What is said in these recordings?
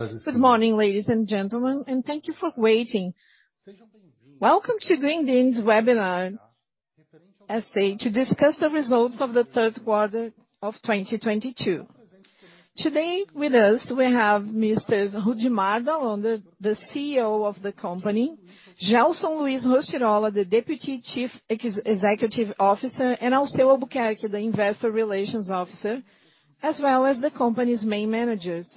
Good morning, ladies and gentlemen, and thank you for waiting. Welcome to Grendene's webinar Q&A to discuss the results of the Q3 of 2022. Today with us, we have Mr. Rudimar Dall'Onder, the CEO of the company, Gelson Luis Rostirolla, the Deputy Chief Executive Officer, and Alceu de Albuquerque, the Investor Relations Officer, as well as the company's main managers.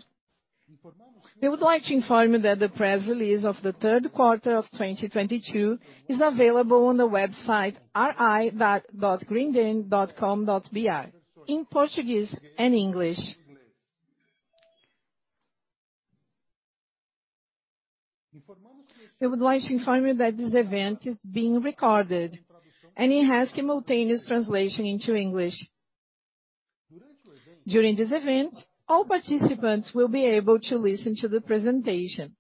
We would like to inform you that the press release of the Q3 of 2022 is available on the website ri.grendene.com.br in Portuguese and English. We would like to inform you that this event is being recorded and it has simultaneous translation into English. During this event, all participants will be able to listen to the presentation.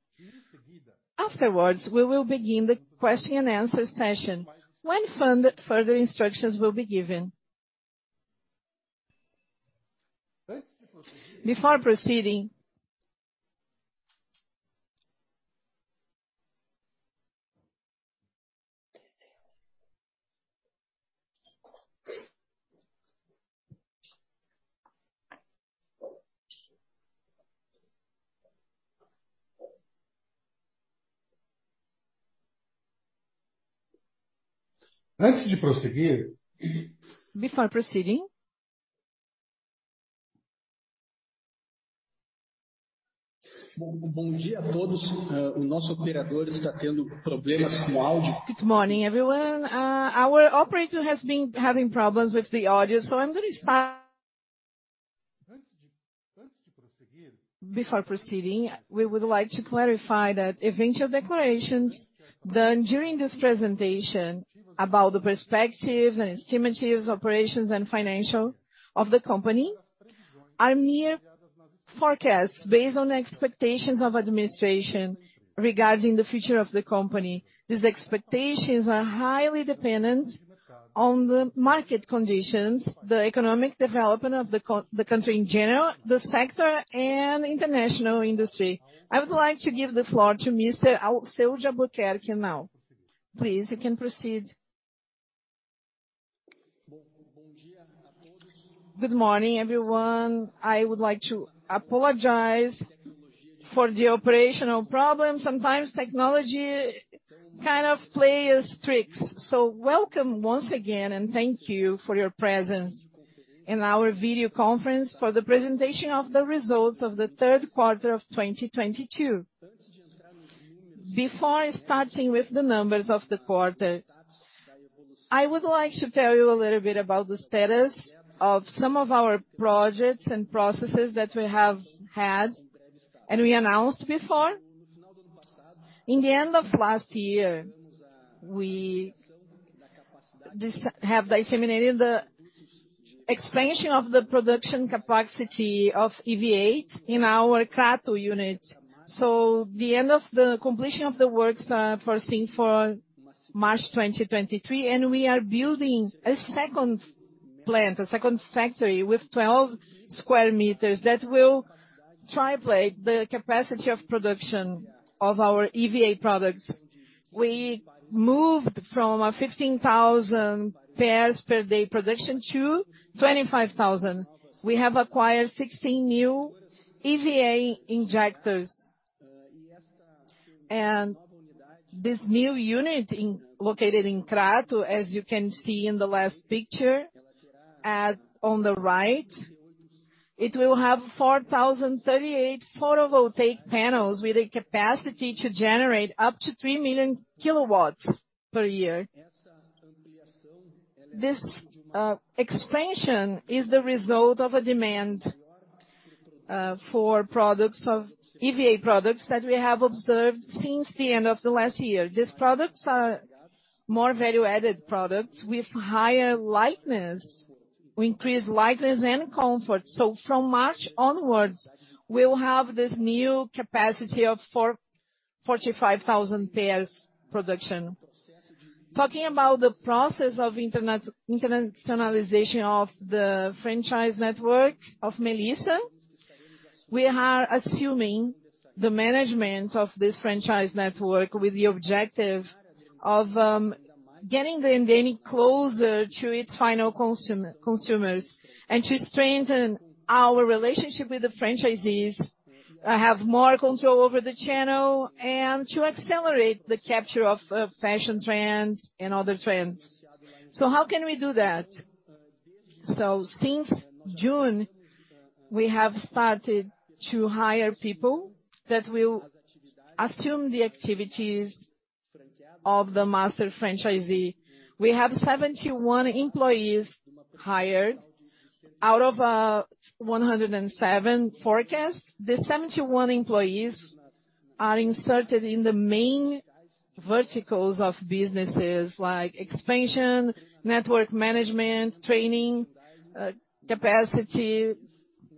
Afterwards, we will begin the Q&A session, when further instructions will be given. Before proceeding. Good morning, everyone. Our operator has been having problems with the audio, so I'm gonna start. Before proceeding, we would like to clarify that eventual declarations done during this presentation about the perspectives and estimates, operations and financials of the company are mere forecasts based on the expectations of administration regarding the future of the company. These expectations are highly dependent on the market conditions, the economic development of the country in general, the sector and international industry. I would like to give the floor to Mr. Alceu de Albuquerque now. Please, you can proceed. Good morning, everyone. I would like to apologize for the operational problems. Sometimes technology kind of plays tricks on us. Welcome once again, and thank you for your presence in our video conference for the presentation of the results of the Q3 of 2022. Before starting with the numbers of the quarter, I would like to tell you a little bit about the status of some of our projects and processes that we have had and we announced before. In the end of last year, we have disseminated the expansion of the production capacity of EVA in our Crato unit. The end of the completion of the works, foreseen for March 2023, and we are building a second plant, a second factory with 12 sq meters that will triple the capacity of production of our EVA products. We moved from a 15,000 pairs per day production to 25,000. We have acquired 16 new EVA injectors. This new unit located in Crato, as you can see in the last picture on the right, will have 4,038 photovoltaic panels with a capacity to generate up to 3 million kW per year. This expansion is the result of a demand for EVA products that we have observed since the end of the last year. These products are more value-added products with higher lightness. We increase lightness and comfort. From March onwards, we'll have this new capacity of 45,000 pairs production. Talking about the process of internationalization of the franchise network of Melissa, we are assuming the management of this franchise network with the objective of getting Grendene closer to its final consumers and to strengthen our relationship with the franchisees, have more control over the channel and to accelerate the capture of fashion trends and other trends. How can we do that? Since June, we have started to hire people that will assume the activities of the master franchisee. We have 71 employees hired out of 107 forecast. The 71 employees are inserted in the main verticals of businesses like expansion, network management, training, capacity,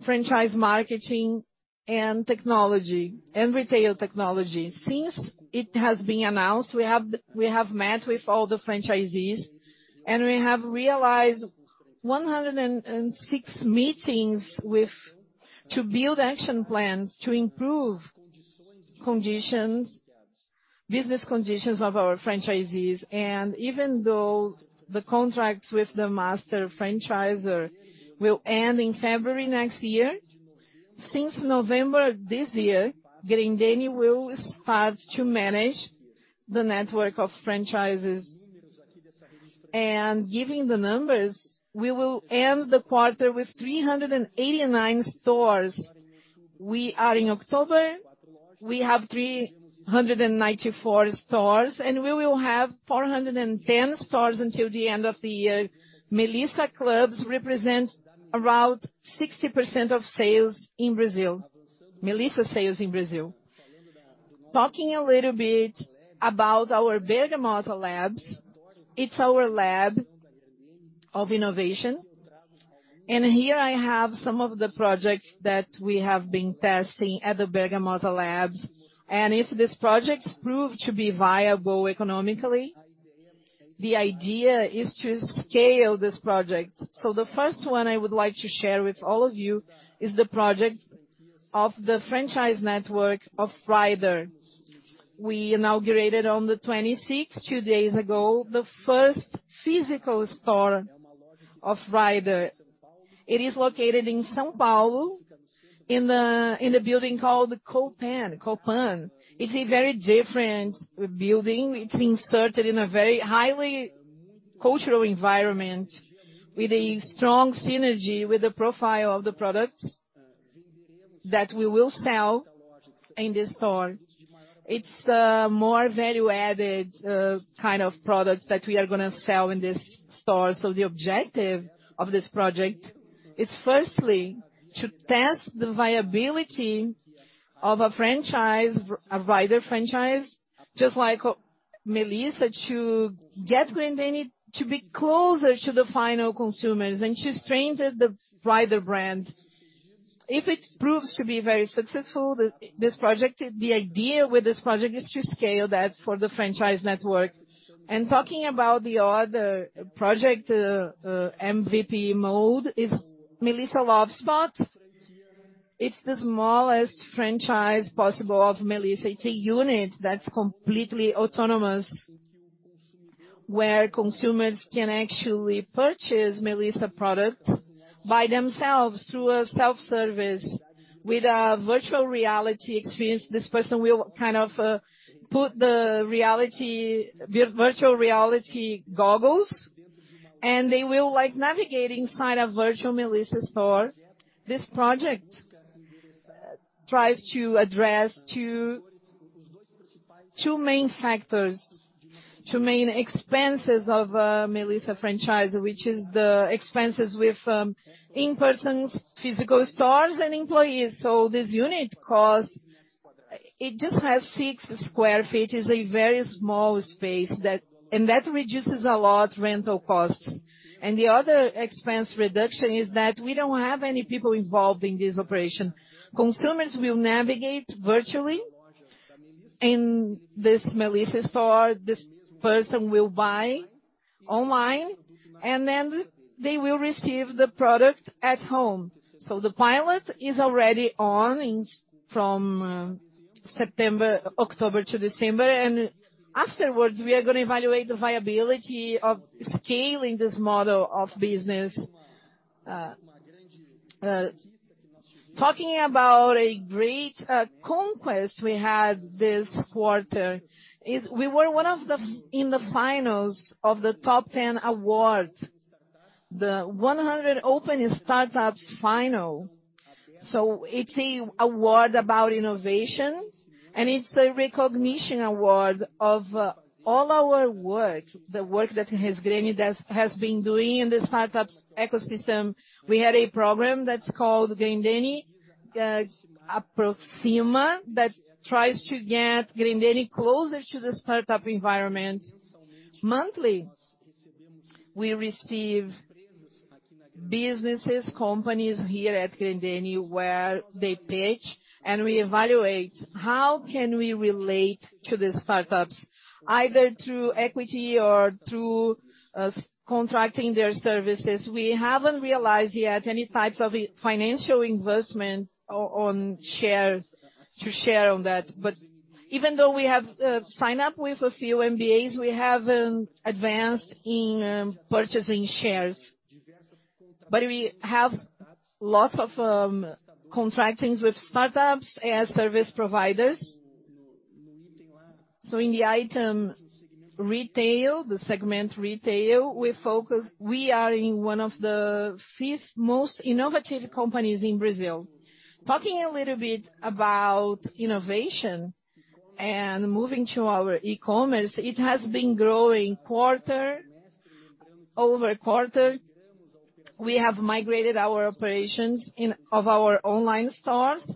franchise marketing and technology and retail technology. Since it has been announced, we have met with all the franchisees and we have realized 106 meetings to build action plans to improve conditions, business conditions of our franchisees. Even though the contracts with the master franchisor will end in February next year, since November this year, Grendene will start to manage the network of franchises. Giving the numbers, we will end the quarter with 389 stores. We are in October, we have 394 stores, and we will have 410 stores until the end of the year. Melissa Clubs represent around 60% of sales in Brazil. Melissa sales in Brazil. Talking a little bit about our Bergamotta Labs. It's our lab of innovation. Here I have some of the projects that we have been testing at the Bergamotta Labs. If these projects prove to be viable economically, the idea is to scale this project. The first one I would like to share with all of you is the project of the franchise network of Rider. We inaugurated on the 26th, two days ago, the first physical store of Rider. It is located in São Paulo, in a building called the Copan. It's a very different building. It's inserted in a very highly cultural environment with a strong synergy with the profile of the products that we will sell in this store. It's more value-added kind of products that we are gonna sell in this store. The objective of this project is firstly to test the viability of a franchise, a Rider franchise, just like Melissa, to get Grendene to be closer to the final consumers and to strengthen the Rider brand. If it proves to be very successful, this project, the idea with this project is to scale that for the franchise network. Talking about the other project, MVP mode is Melissa Love Spot. It's the smallest franchise possible of Melissa. It's a unit that's completely autonomous, where consumers can actually purchase Melissa product by themselves through a self-service with a virtual reality experience. This person will kind of put on the virtual reality goggles, and they will like navigating inside a virtual Melissa store. This project tries to address two main factors, two main expenses of Melissa franchise, which is the expenses with in-person physical stores and employees. This unit costs. It just has 6 sq ft. It's a very small space that reduces a lot rental costs. The other expense reduction is that we don't have any people involved in this operation. Consumers will navigate virtually in this Melissa store. This person will buy online, and then they will receive the product at home. The pilot is already on from September, October to December. Afterwards, we are gonna evaluate the viability of scaling this model of business. Talking about a great conquest we had this quarter is we were one of the finalists in the finals of the top ten award, the 100 Open Startups final. It's a award about innovation, and it's a recognition award of all our work, the work that Grendene has been doing in the startup ecosystem. We had a program that's called Grendene Aproxima that tries to get Grendene closer to the startup environment. Monthly, we receive businesses, companies here at Grendene, where they pitch, and we evaluate how can we relate to the startups, either through equity or through contracting their services. We haven't realized yet any types of financial investment on share to share on that. Even though we have signed up with a few startups, we haven't advanced in purchasing shares. We have lots of contracts with startups as service providers. In the item retail, the segment retail, we are one of the fifth most innovative companies in Brazil. Talking a little bit about innovation and moving to our e-commerce, it has been growing quarter-over-quarter. We have migrated our operations of our online stores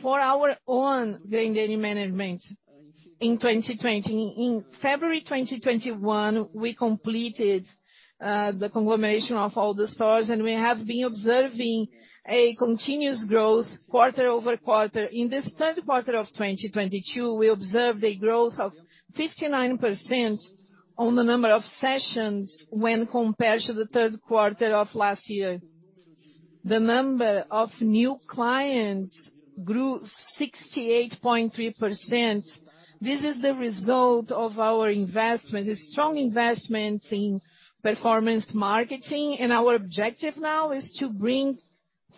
to our own Grendene management in 2020. In February 2021, we completed the conglomeration of all the stores, and we have been observing a continuous growth quarter-over-quarter. In this Q3 of 2022, we observed a growth of 59% on the number of sessions when compared to the Q3 of last year. The number of new clients grew 68.3%. This is the result of our investment, a strong investment in performance marketing, and our objective now is to bring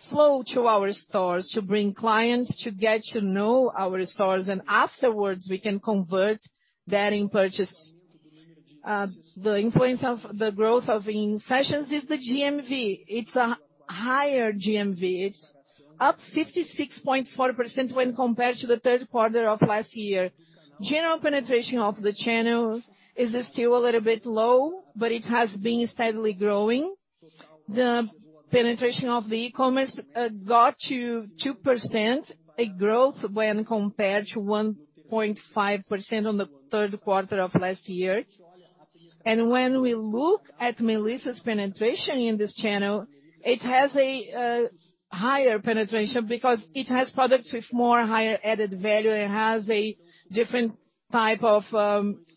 flow to our stores, to bring clients to get to know our stores, and afterwards, we can convert that into purchase. The influence of the growth of sessions is the GMV. It's a higher GMV. It's up 56.4% when compared to the Q3 of last year. General penetration of the channel is still a little bit low, but it has been steadily growing. The penetration of the e-commerce got to 2% ago, when compared to 1.5% on the Q3 of last year. When we look at Melissa's penetration in this channel, it has a higher penetration because it has products with more higher added value. It has a different type of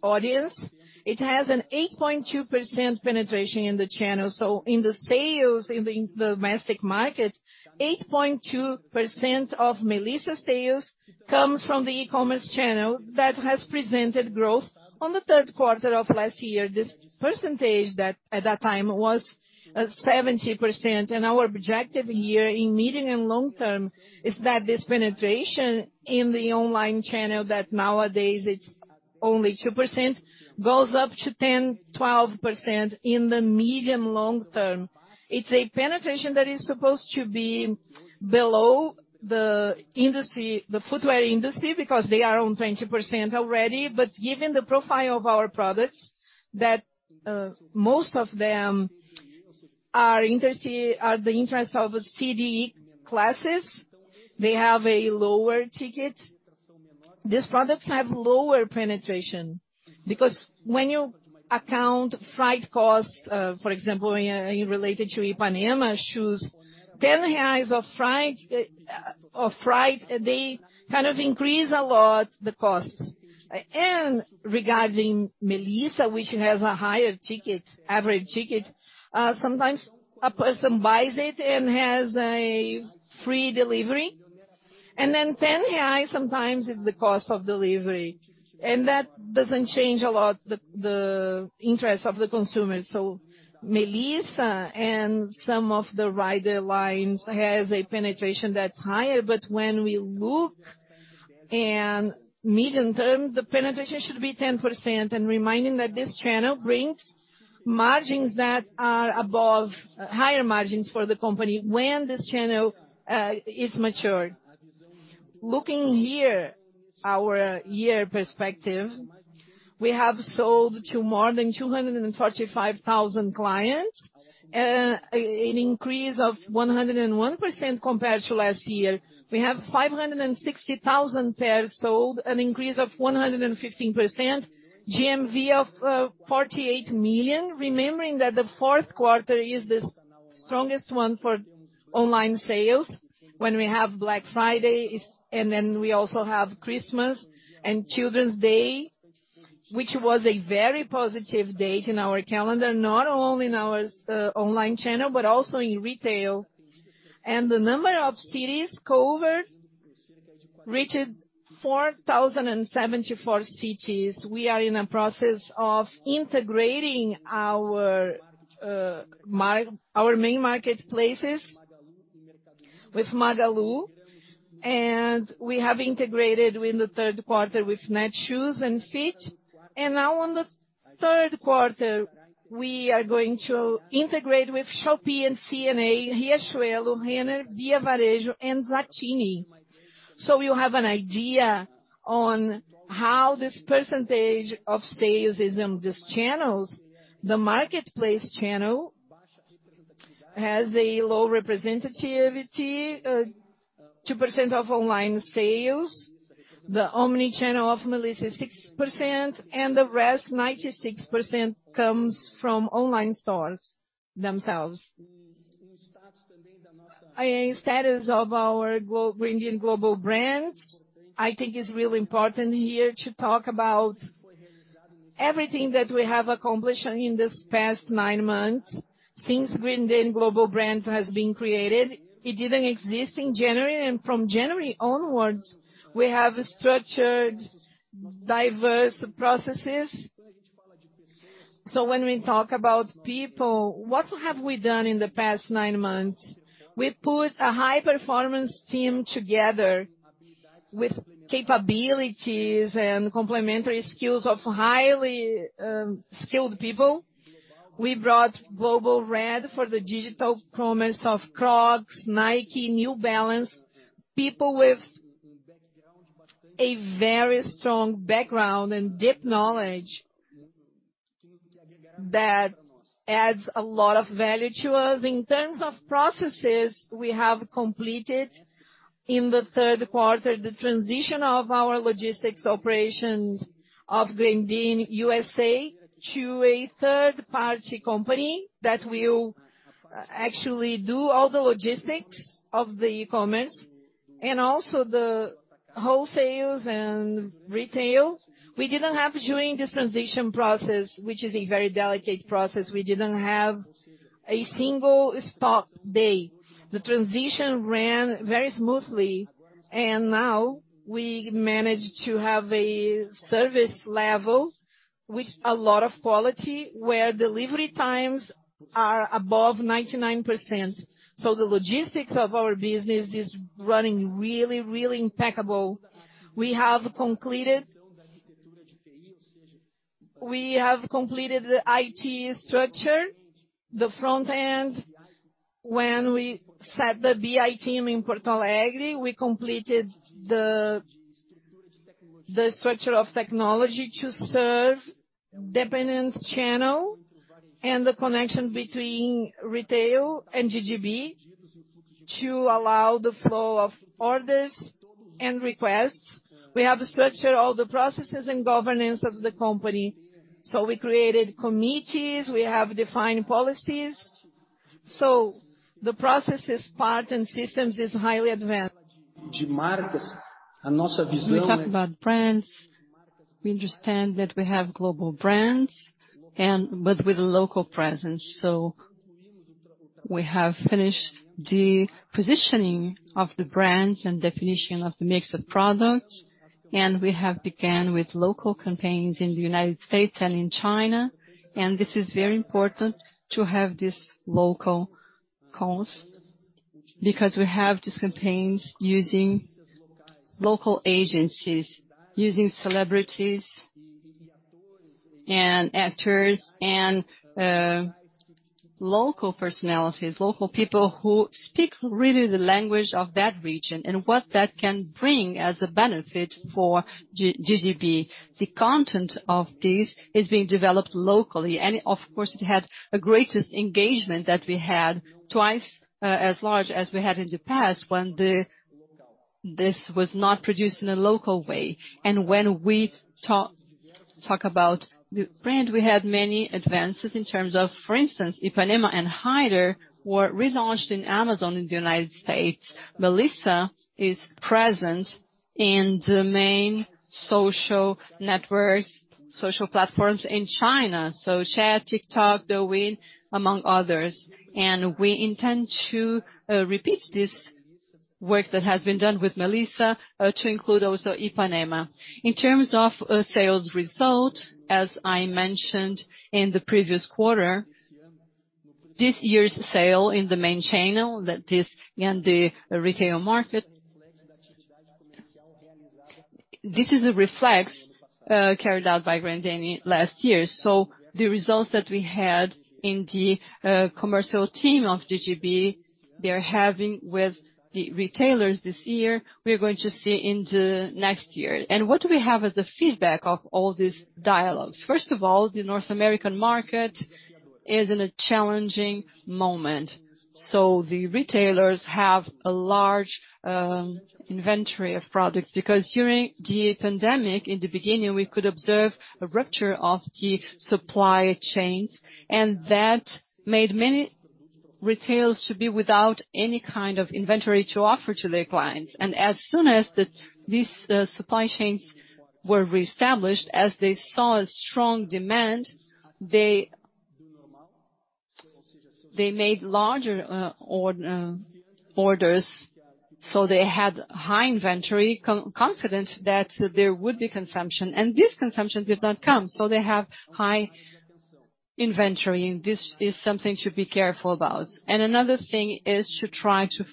audience. It has an 8.2% penetration in the channel. In the sales in the domestic market, 8.2% of Melissa's sales comes from the e-commerce channel that has presented growth on the Q3 of last year. This percentage at that time was 70%. Our objective here in medium and long term is that this penetration in the online channel that nowadays it's only 2%, goes up to 10%, 12% in the medium long term. It's a penetration that is supposed to be below the industry, the footwear industry, because they are on 20% already. Given the profile of our products, most of them are of interest to C, D, E classes, they have a lower ticket. These products have lower penetration because when you account freight costs, for example, in relation to Ipanema shoes, 10 reais of freight, they kind of increase a lot the costs. Regarding Melissa, which has a higher ticket, average ticket, sometimes a person buys it and has a free delivery, and then 10 reais sometimes is the cost of delivery. That doesn't change a lot the interest of the consumer. Melissa and some of the Rider lines has a penetration that's higher. When we look in medium term, the penetration should be 10%. Reminding that this channel brings margins that are higher for the company when this channel is matured. Looking here, our year perspective, we have sold to more than 245,000 clients, an increase of 101% compared to last year. We have 560,000 pairs sold, an increase of 115%, GMV of 48 million. Remembering that the Q4 is the strongest one for online sales when we have Black Friday and then we also have Christmas and Children's Day, which was a very positive date in our calendar, not only in our online channel, but also in retail. The number of cities covered reached 4,074 cities. We are in a process of integrating our main marketplaces with Magalu, and we have integrated in the Q3 with Netshoes and Fit. Now on the Q3, we are going to integrate with Shopee and C&A, Riachuelo, Renner, Via Varejo, and Zattini. You have an idea on how this percentage of sales is in these channels. The marketplace channel has a low representativeness, 2% of online sales. The omni-channel of Melissa, 6%, and the rest, 96%, comes from online stores themselves. A status of our Grendene Global Brands, I think it's really important here to talk about everything that we have accomplished, in this past nine months since Grendene Global Brands has been created. It didn't exist in January 2022, and from January 2022 onwards, we have structured diverse processes. When we talk about people, what have we done in the past nine months? We put a high performance team together with capabilities and complementary skills of highly skilled people. We brought global brand for the digital commerce of Crocs, Nike, New Balance, people with a very strong background and deep knowledge that adds a lot of value to us. In terms of processes, we have completed in the Q3 the transition of our logistics operations of Grendene USA to a third-party company that will actually do all the logistics of the e-commerce. Also the wholesale and retail. We didn't have during this transition process, which is a very delicate process, we didn't have a single stop day. The transition ran very smoothly, and now we manage to have a service level with a lot of quality, where delivery times are above 99%. The logistics of our business is running really impeccable. We have completed the IT structure, the front end. When we set the BI team in Portalegre, we completed the structure of technology to serve independent channel and the connection between retail and GGB to allow the flow of orders and requests. We have structured all the processes and governance of the company. We created committees, we have defined policies. The process' part and systems is highly advanced. We talk about brands, we understand that we have global brands and but with a local presence. We have finished the positioning of the brands and definition of the mix of products, and we have began with local campaigns in the U.S. and in China. This is very important to have this local cause. Because we have these campaigns using local agencies, using celebrities and actors and local personalities, local people who speak really the language of that region and what that can bring as a benefit for GGB. The content of this is being developed locally, and of course, it had a greatest engagement that we had twice as large as we had in the past when this was not produced in a local way. When we talk about the brand, we had many advances in terms of, for instance, Ipanema and Rider were relaunched on Amazon in the United States. Melissa is present in the main social networks, social platforms in China. Xiaohongshu, TikTok, Douyin, among others. We intend to repeat this work that has been done with Melissa to include also Ipanema. In terms of sales result, as I mentioned in the previous quarter, this year's sale in the main channel that is in the retail market, this is a reflection carried out by Grendene last year. The results that we had in the commercial team of GGB, they're having with the retailers this year, we're going to see into next year. What do we have as a feedback of all these dialogues? First of all, the North American market is in a challenging moment. The retailers have a large inventory of products, because during the pandemic, in the beginning, we could observe a rupture of the supply chains, and that made many retailers to be without any kind of inventory to offer to their clients. As soon as these supply chains were reestablished, as they saw a strong demand, they made larger orders, so they had high inventory confidence that there would be consumption. This consumption did not come. They have high inventory, and this is something to be careful about. Another thing is to try to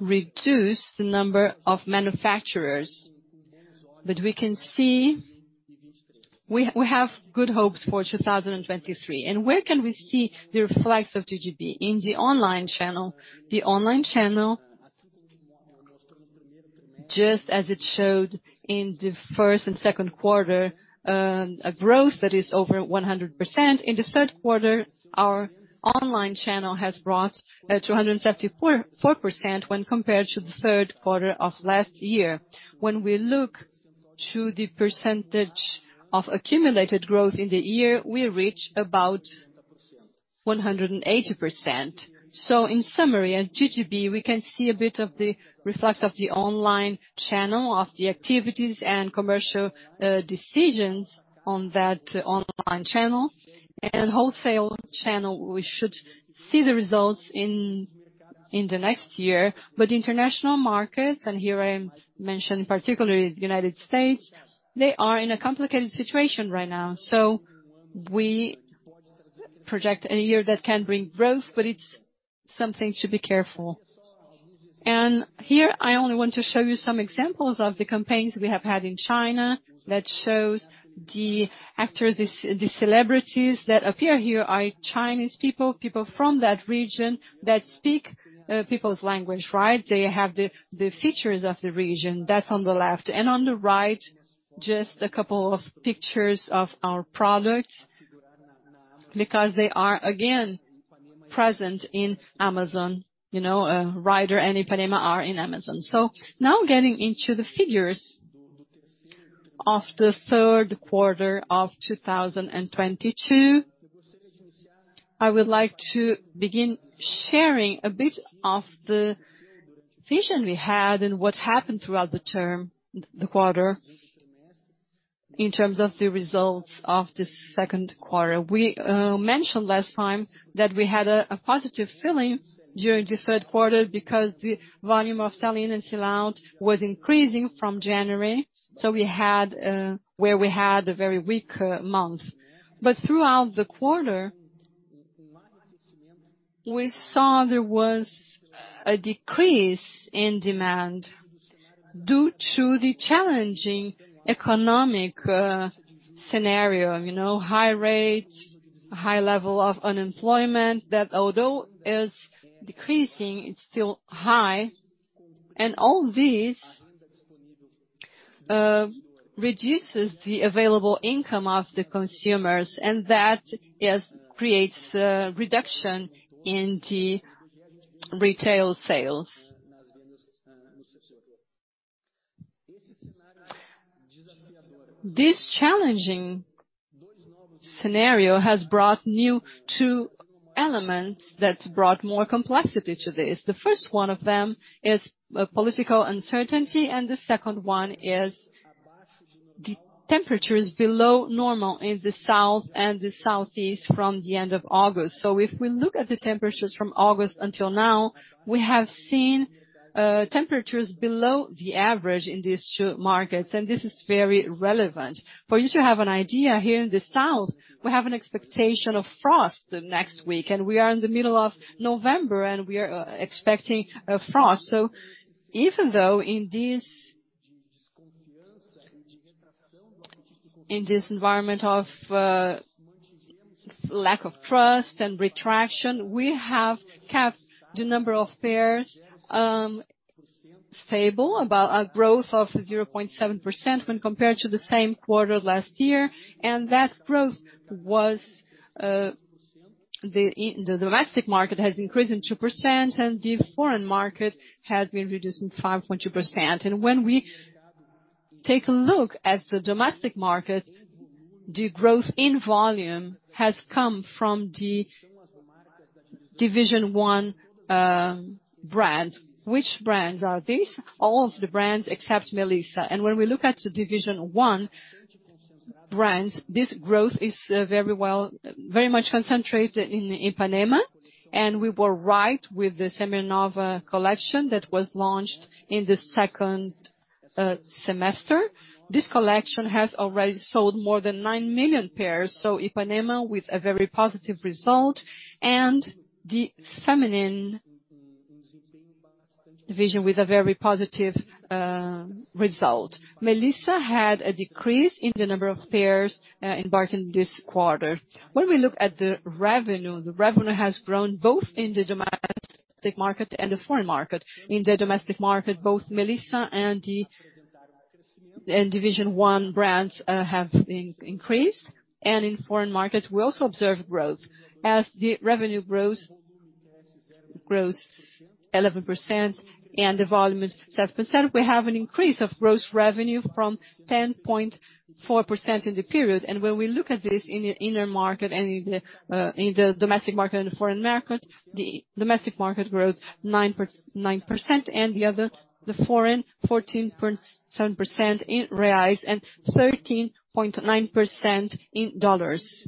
reduce the number of manufacturers. We can see we have good hopes for 2023. Where can we see the reflex of GGB? In the online channel. The online channel, just as it showed in the Q1 and Q2, a growth that is over 100%. In the Q3, our online channel has brought 274.4% when compared to the Q3 of last year. When we look to the percentage of accumulated growth in the year, we reach about 180%. In summary, at GGB, we can see a bit of the reflection of the online channel, of the activities and commercial decisions on that online channel. Wholesale channel, we should see the results in the next year. International markets, and here I'm mentioning particularly the U.S., they are in a complicated situation right now. We project a year that can bring growth, but it's something to be careful. Here, I only want to show you some examples of the campaigns we have had in China that shows the actors, the celebrities that appear here are Chinese people from that region that speak people's language, right? They have the features of the region. That's on the left. On the right, just a couple of pictures of our product because they are again present in Amazon. You know, Rider and Ipanema are in Amazon. Now getting into the figures of the Q3 of 2022. I would like to begin sharing a bit of the vision we had and what happened throughout the term, the quarter in terms of the results of this Q2. We mentioned last time that we had a positive feeling during the Q3 because the volume of sell-in and sell-out was increasing from January 2022. We had a very weak month. Throughout the quarter, we saw there was a decrease in demand due to the challenging economic scenario. You know, high rates, high level of unemployment, that although is decreasing, it's still high. All this reduces the available income of the consumers, and that creates a reduction in the retail sales. This challenging scenario has brought two new elements that have brought more complexity to this. The first one of them is political uncertainty, and the second one is the temperatures below normal in the south and the southeast from the end of August 2022. If we look at the temperatures from August until now, we have seen temperatures below the average in these two markets, and this is very relevant. For you to have an idea, here in the south, we have an expectation of frost next week, and we are in the middle of November, and we are expecting a frost. Even though in this environment of lack of trust and contraction, we have kept the number of pairs stable, about a growth of 0.7% when compared to the same quarter last year. That growth was the domestic market has increased in 2% and the foreign market has been reduced in 5.2%. When we take a look at the domestic market, the growth in volume has come from the Division One brand. Which brands are these? All of the brands except Melissa. When we look at the Division One brands, this growth is very much concentrated in Ipanema, and we were right with the Sempre Nova collection that was launched in the second semester. This collection has already sold more than nine million pairs. Ipanema with a very positive result and the feminine division with a very positive result. Melissa had a decrease in the number of pairs embarked in this quarter. When we look at the revenue, the revenue has grown both in the domestic market and the foreign market. In the domestic market, both Melissa and Division One brands have been increased. In foreign markets, we also observed growth. As the revenue grows 11% and the volume is 7%, we have an increase of gross revenue from 10.4% in the period. When we look at this in our market and in the domestic market and the foreign market, the domestic market grows 9% and the foreign 14.7% in reais and 13.9% in dollars.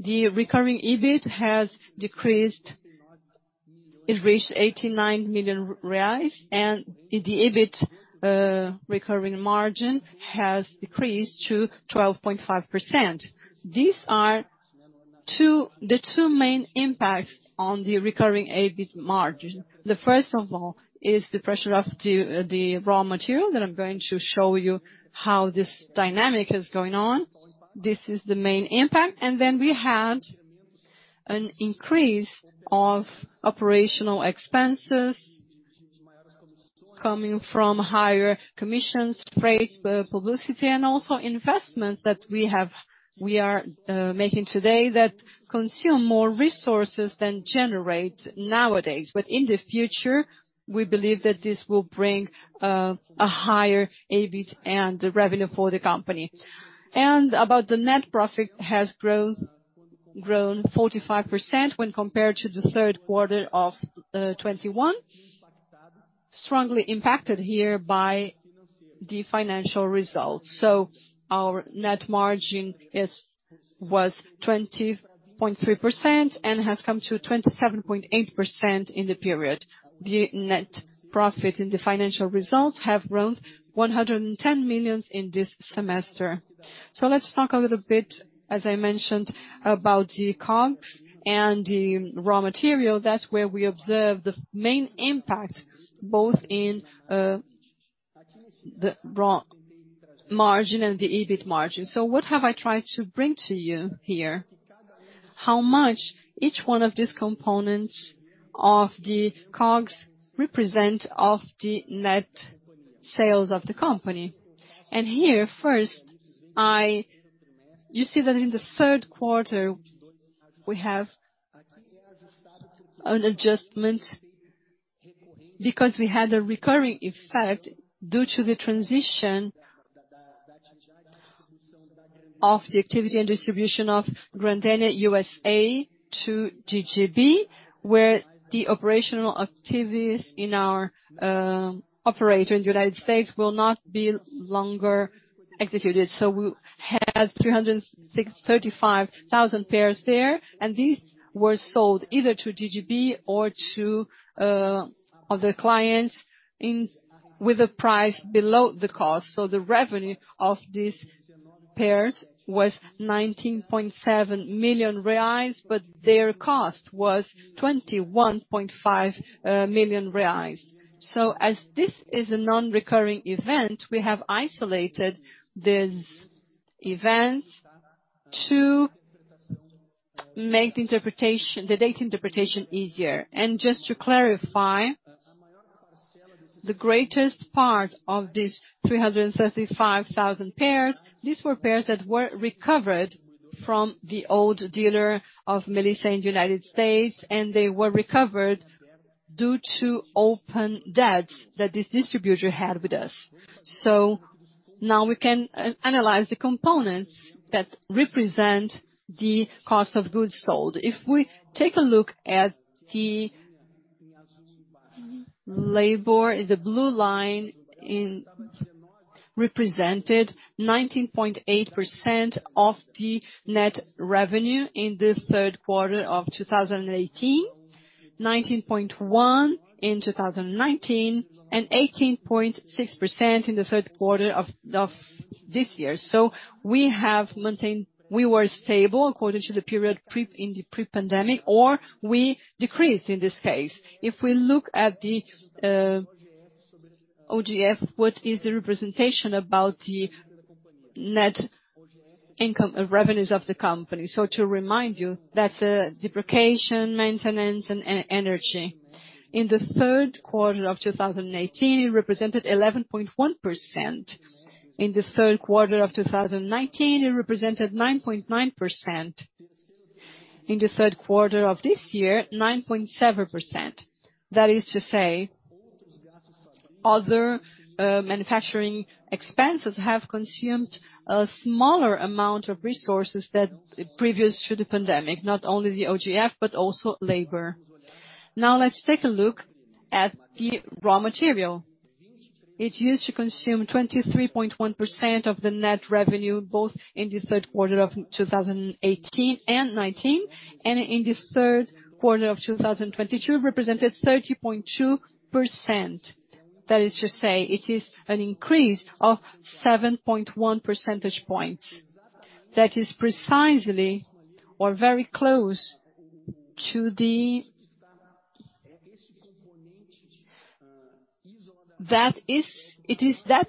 The recurring EBIT has decreased. It reached 89 million reais, and the EBIT recurring margin has decreased to 12.5%. These are the two main impacts on the recurring EBIT margin. The first is the pressure of the raw material that I'm going to show you how this dynamic is going on. This is the main impact. We had an increase of operational expenses coming from higher commissions, freights, publicity, and also investments that we are making today that consume more resources than generate nowadays. In the future, we believe that this will bring a higher EBIT and revenue for the company. About the net profit has grown 45% when compared to the Q3 of 2021. Strongly impacted here by the financial results. Our net margin was 20.3% and has come to 27.8% in the period. The net profit in the financial results have grown 110 million in this semester. Let's talk a little bit, as I mentioned, about the COGS and the raw material. That's where we observe the main impact, both in the gross margin and the EBIT margin. What have I tried to bring to you here? How much each one of these components of the COGS represent of the net sales of the company. Here, first, you see that in the Q3, we have an adjustment because we had a recurring effect due to the transition of the activity and distribution of Grendene USA to GGB, where the operational activities in our operator in the United States will no longer be executed. We had 35,000 pairs there, and these were sold either to GGB or to other clients with a price below the cost. The revenue of these pairs was 19.7 million reais, but their cost was 21.5 million reais. As this is a non-recurring event, we have isolated these events to make the data interpretation easier. Just to clarify, the greatest part of these 335,000 pairs, these were pairs that were recovered from the old dealer of Melissa in the U.S., and they were recovered due to open debts that this distributor had with us. Now we can analyze the components that represent the cost of goods sold. If we take a look at the labor, the blue line represented 19.8% of the net revenue in the Q3 of 2018, 19.1% in 2019, and 18.6% in the Q3 of this year. We have maintained we were stable according to the period in the pre-pandemic, or we decreased in this case. If we look at the OGF, what is the representation about the net income and revenues of the company? To remind you that the depreciation, maintenance, and energy. In the Q3 of 2018, it represented 11.1%. In the Q3 of 2019, it represented 9.9%. In the Q3 of this year, 9.7%. That is to say, other manufacturing expenses have consumed a smaller amount of resources than previous to the pandemic, not only the OGF, but also labor. Now let's take a look at the raw material. It used to consume 23.1% of the net revenue, both in the Q3 of 2018 and 2019, and in the Q3 of 2022, it represented 30.2%. That is to say, it is an increase of 7.1 percentage points. That is precisely or very close to the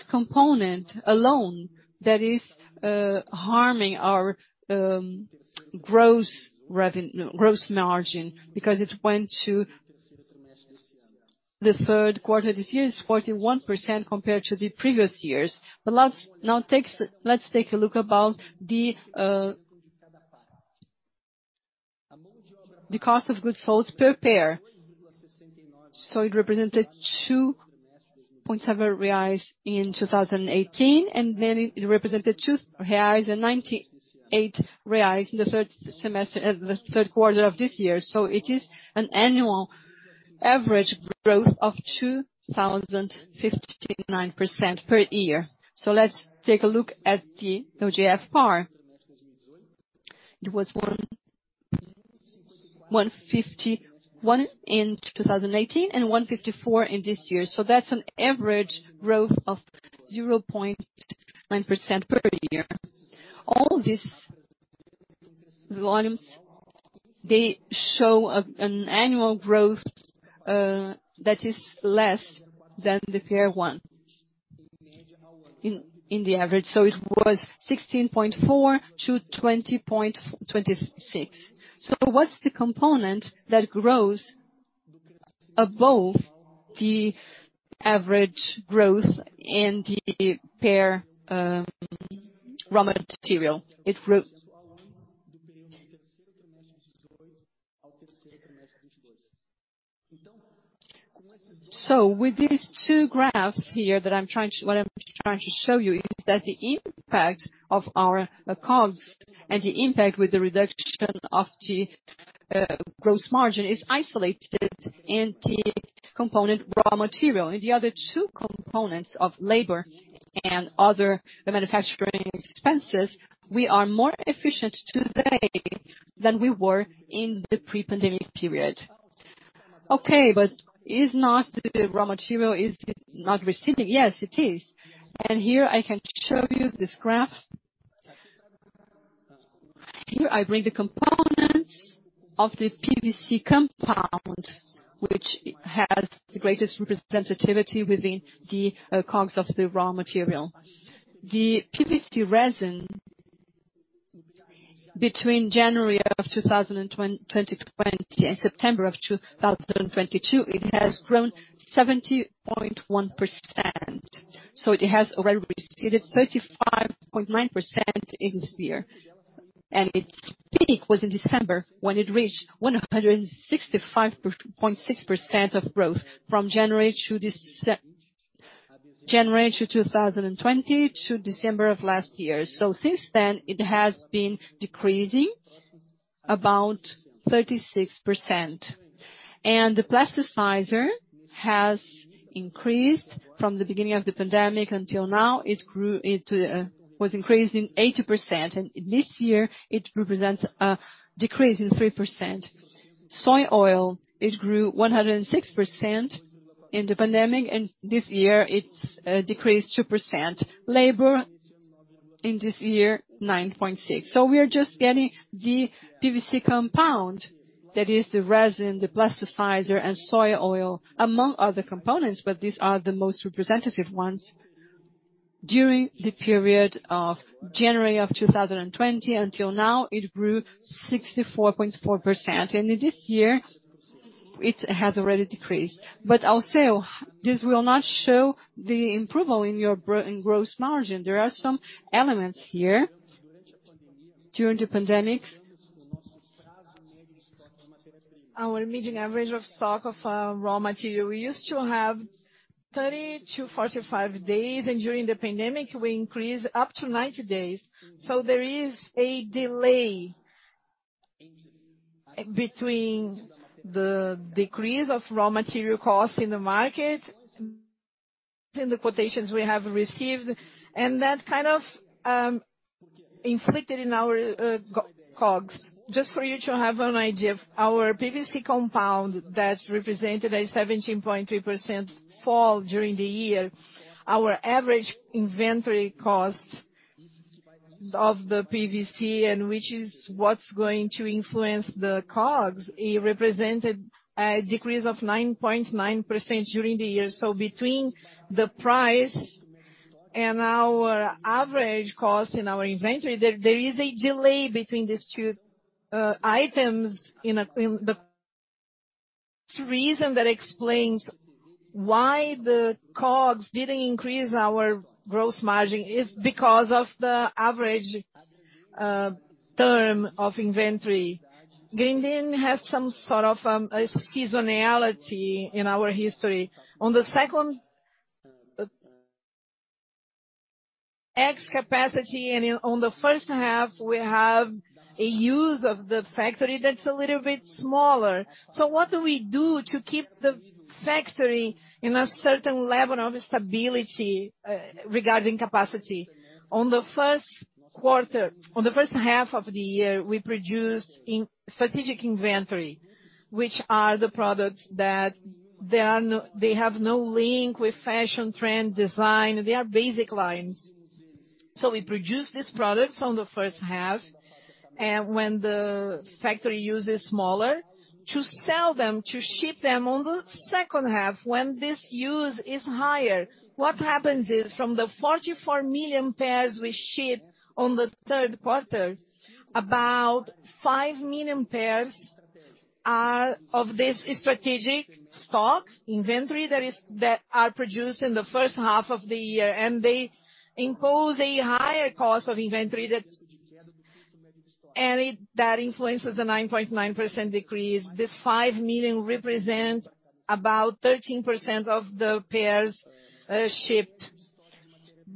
component alone that is harming our gross margin, because in the Q3 this year it is 41% compared to the previous years. Now let's take a look at the cost of goods sold per pair. It represented 2.7 reais in 2018, and then it represented 2.98 reais in the Q3 of this year. It is an annual average growth of 2,059% per year. Let's take a look at the OGF bar. It was 151 in 2018 and 154 in this year. That's an average growth of 0.9% per year. All these volumes, they show an annual growth that is less than 1% on average. It was 16.4%-20.26%. What's the component that grows above the average growth in the price, raw material? With these two graphs here what I'm trying to show you is that the impact of our COGS and the impact with the reduction of the gross margin is isolated in the component raw material. In the other two components of labor and other manufacturing expenses, we are more efficient today than we were in the pre-pandemic period. Okay, but is not the raw material, is it not receding? Yes, it is. Here I can show you this graph. Here I bring the component of the PVC compound, which has the greatest representativity within the COGS of the raw material. The PVC resin between January of 2020 and September of 2022, it has grown 70.1%. It has already receded 35.9% in this year. Its peak was in December 2022, when it reached 165.6% growth from January 2020 to December of last year. Since then, it has been decreasing about 36%. The plasticizer has increased from the beginning of the pandemic until now. It was increased 80%. This year it represents a decrease of 3%. Soy oil, it grew 106% in the pandemic, and this year it's decreased 2%. Labor, in this year, 9.6%. We are just getting the PVC compound, that is the resin, the plasticizer, and soy oil, among other components, but these are the most representative ones. During the period of January 2020 until now, it grew 64.4%. In this year it has already decreased. Also, this will not show the improvement in your gross margin. There are some elements here during the pandemic. Our median average of stock of raw material. We used to have 30 days-45 days, and during the pandemic, we increased up to 90 days. There is a delay between the decrease of raw material costs in the market and the quotations we have received. That kind of reflected in our COGS. Just for you to have an idea, our PVC compound that represented a 17.3% fall during the year. Our average inventory cost of the PVC and which is what's going to influence the COGS, it represented a decrease of 9.9% during the year. Between the price and our average cost in our inventory, there is a delay between these two items in the reason that explains why the COGS didn't increase our gross margin is because of the average term of inventory. Grendene has some sort of a seasonality in our history. On the H2 capacity and on the H1, we have a use of the factory that's a little bit smaller. What do we do to keep the factory in a certain level of stability regarding capacity? On the H1 of the year, we produced strategic inventory, which are the products that they have no link with fashion, trend, design, they are basic lines. We produce these products on the H1, and when the factory use is smaller, to sell them, to ship them on the H2, when this use is higher. What happens is, from the 44 million pairs we ship on the Q3, about five million pairs are of this strategic stock inventory that are produced in the H1 of the year. They impose a higher cost of inventory that's. That influences the 9.9% decrease. This five million represent about 13% of the pairs shipped.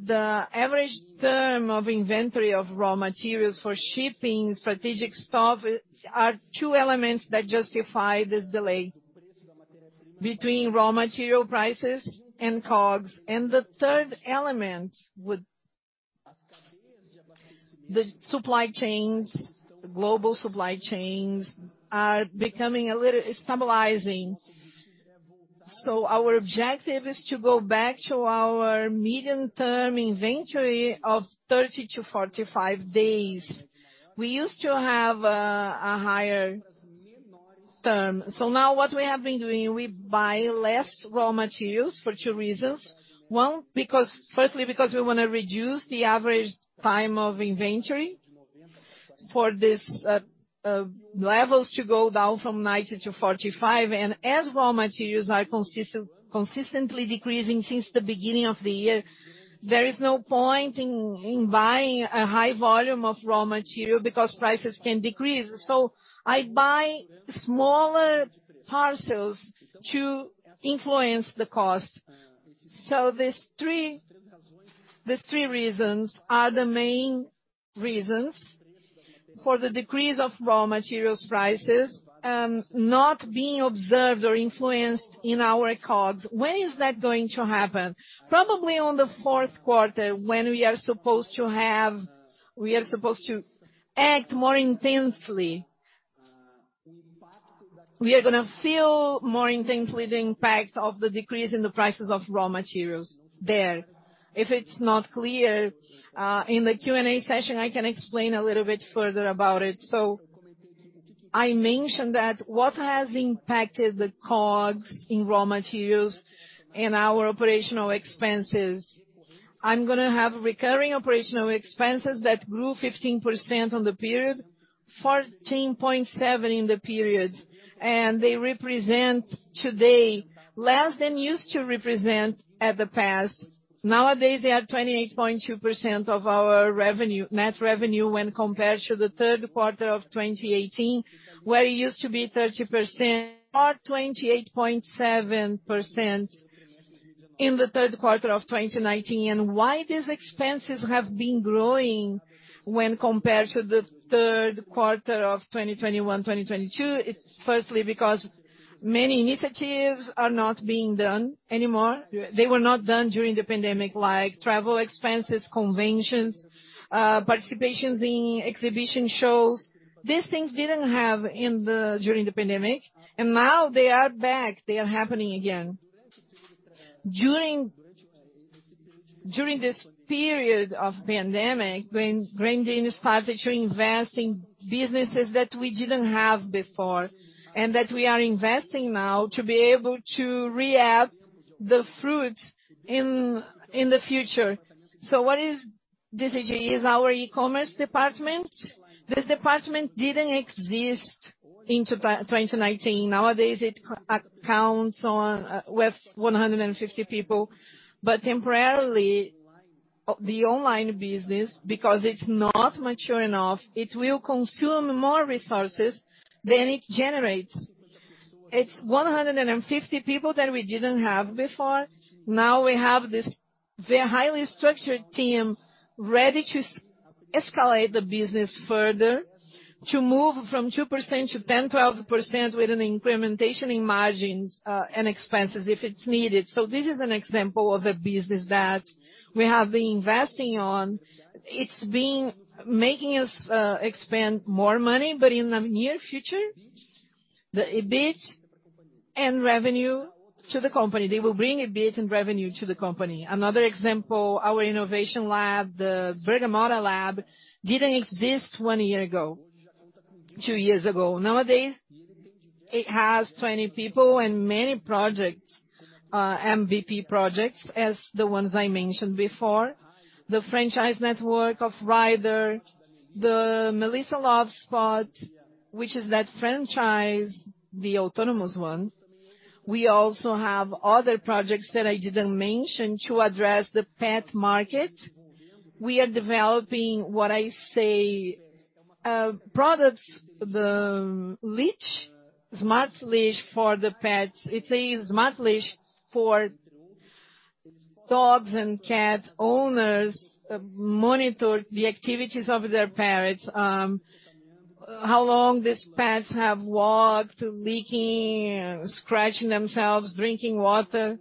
The average term of inventory of raw materials for shipping strategic stock are two elements that justify this delay between raw material prices and COGS. The third element with the supply chains, global supply chains are becoming stabilizing. Our objective is to go back to our medium-term inventory of 30 days-45 days. We used to have a higher term. Now what we have been doing, we buy less raw materials for two reasons. One, because firstly, because we wanna reduce the average time of inventory for these levels to go down from 90-45. As raw materials are consistently decreasing since the beginning of the year, there is no point in buying a high volume of raw material because prices can decrease. I buy smaller parcels to influence the cost. These three reasons are the main reasons for the decrease of raw materials prices not being observed or influenced in our COGS. When is that going to happen? Probably on the Q4, when we are supposed to act more intensely. We are gonna feel more intensely the impact of the decrease in the prices of raw materials there. If it's not clear, in the Q&A session, I can explain a little bit further about it. I mentioned that what has impacted the COGS in raw materials and our operational expenses. I'm gonna have recurring operational expenses that grew 15% on the period. 14.7% in the periods, and they represent today less than used to represent at the past. Nowadays, they are 28.2% of our net revenue when compared to the Q3 of 2018, where it used to be 30% or 28.7% in the Q3 of 2019. Why these expenses have been growing when compared to the Q3 of 2021, 2022? It's firstly because many initiatives are not being done anymore. They were not done during the pandemic, like travel expenses, conventions, participations in exhibition shows. These things didn't have during the pandemic, and now they are back. They are happening again. During this period of pandemic, when Grendene started to invest in businesses that we didn't have before, and that we are investing now to be able to reap the fruit in the future. What is GGB? It's our e-commerce department. This department didn't exist in 2019. Nowadays, it accounts on with 150 people. But temporarily, the online business, because it's not mature enough, it will consume more resources than it generates. It's 150 people that we didn't have before. Now we have this highly structured team ready to escalate the business further, to move from 2%-10%, 12% with an incrementation in margins, and expenses if it's needed. This is an example of a business that we have been investing on. It's been making us expend more money, but in the near future, the EBIT and revenue to the company. They will bring EBIT and revenue to the company. Another example, our innovation lab, the Bergamotta Lab, didn't exist one year ago, two years ago. Nowadays, it has 20 people and many projects, MVP projects as the ones I mentioned before. The franchise network of Rider, the Melissa Love Spot, which is that franchise, the autonomous one. We also have other projects that I didn't mention to address the pet market. We are developing products, the smart leash for the pets. It's a smart leash for dogs and cats owners, monitor the activities of their pets. How long these pets have walked, licking, scratching themselves, drinking water.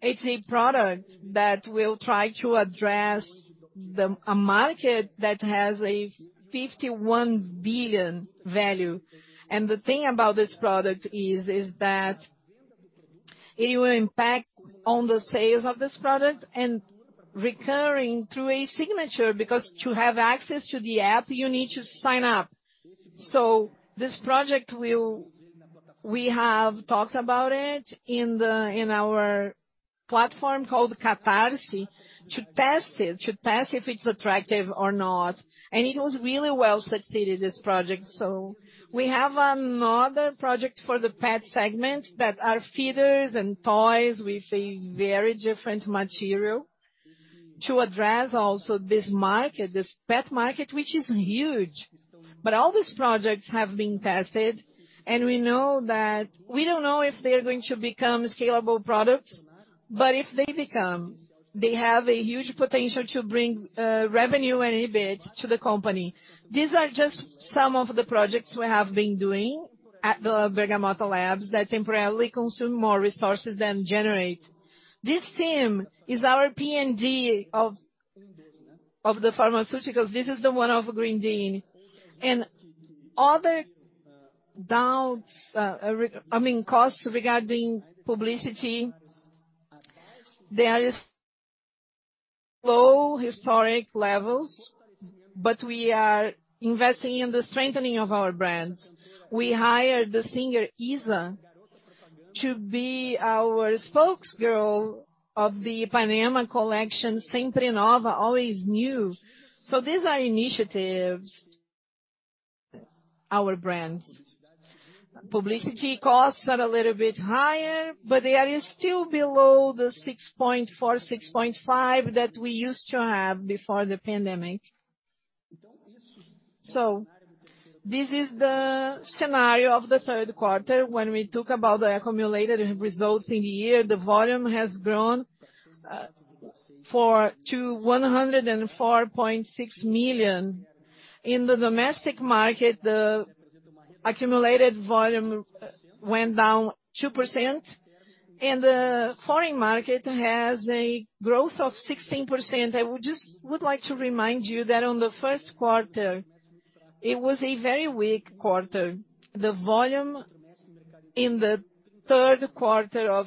It's a product that will try to address a market that has a 51 billion value. The thing about this product is that it will impact on the sales of this product and recurring through a subscription, because to have access to the app, you need to sign up. We have talked about it in our platform called Catarse, to test it, to test if it's attractive or not. It was really successful, this project. We have another project for the pet segment that are feeders and toys with a very different material to address also this market, this pet market, which is huge. All these projects have been tested, and we know that we don't know if they are going to become scalable products, but if they become, they have a huge potential to bring revenue and EBIT to the company. These are just some of the projects we have been doing at the Bergamotta Labs that temporarily consume more resources than generate. This team is our P&D of the pharmaceuticals. This is the one of Grendene. Other doubts, I mean, costs regarding publicity. There is low historic levels, but we are investing in the strengthening of our brands. We hired the singer Iza to be our spokesgirl of the Ipanema collection, Sempre Nova, always new. These are initiatives, our brands. Publicity costs are a little bit higher, but they are still below the 6.4%-6.5% that we used to have before the pandemic. This is the scenario of the Q3. When we talk about the accumulated results in the year, the volume has grown to 104.6 million. In the domestic market, the accumulated volume went down 2%, and the foreign market has a growth of 16%. I would like to remind you that on the Q1, it was a very weak quarter. The volume in the Q3 of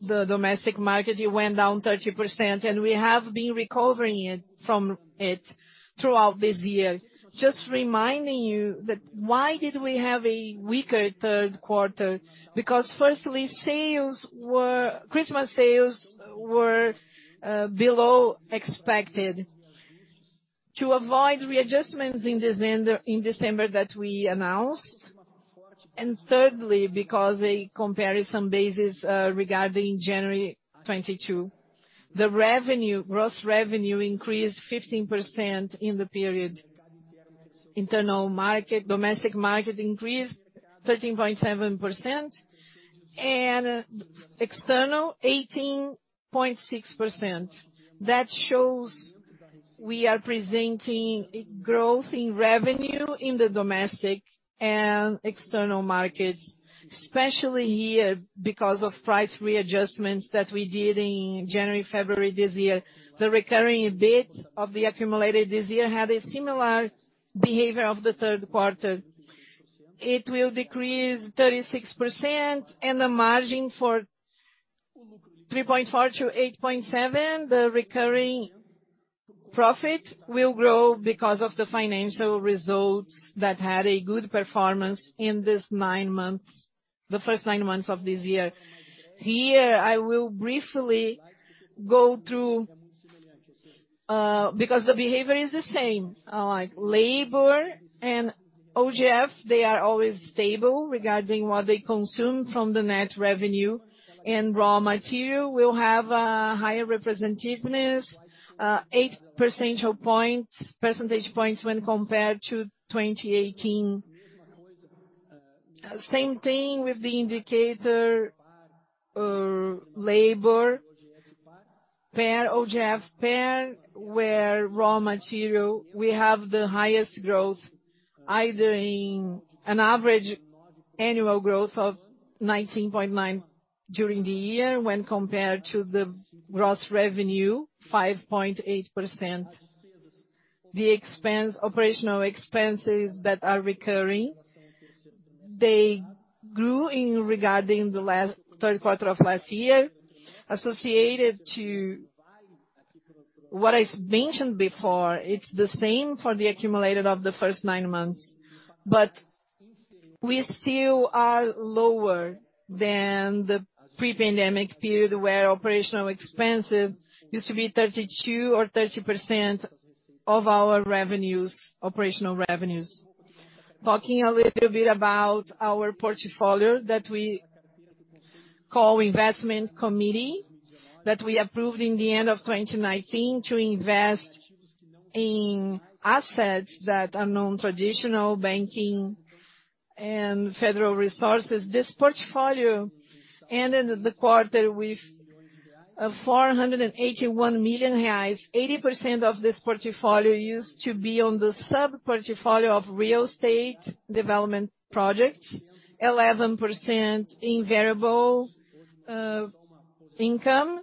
the domestic market went down 30%, and we have been recovering from it throughout this year. Just reminding you that why did we have a weaker Q3? Firstly, Christmas sales were below expected. To avoid readjustments in December that we announced. Thirdly, because a comparison basis regarding January 2022. The revenue, gross revenue increased 15% in the period. Domestic market increased 13.7%, and external 18.6%. That shows we are presenting growth in revenue in the domestic and external markets, especially here because of price readjustments that we did in January, February this year. The recurring EBIT of the accumulated this year had a similar behavior of the Q3. It will decrease 36% and the margin from 3.4%-8.7%, the recurring profit will grow because of the financial results that had a good performance in this nine months, the first nine months of this year. Here, I will briefly go through because the behavior is the same. Like labor and OGF, they are always stable regarding what they consume from the net revenue, and raw material will have a higher representativeness, eight percentage points when compared to 2018. Same thing with the indicator, labor plus OGF plus raw material, we have the highest growth, either in an average annual growth of 19.9% during the year when compared to the gross revenue, 5.8%. Operational expenses that are recurring grew in regard to the last Q3 of last year, associated to what I mentioned before. It's the same for the accumulated of the first nine months. We still are lower than the pre-pandemic period, where operational expenses used to be 32% or 30% of our operational revenues. Talking a little bit about our portfolio that we call investment committee, that we approved in the end of 2019 to invest in assets that are non-traditional banking and federal resources. This portfolio ended the quarter with 481 million reais. 80% of this portfolio used to be on the sub-portfolio of real estate development projects, 11% in variable income.